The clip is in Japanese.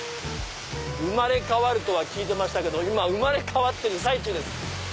生まれ変わるとは聞いてましたけど今生まれ変わってる最中です。